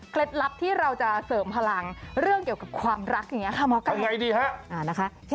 ลับที่เราจะเสริมพลังเรื่องเกี่ยวกับความรักอย่างนี้ค่ะหมอไก่ดีฮะนะคะ